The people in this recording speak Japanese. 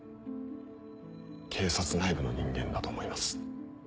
警察内部の人間だと思います。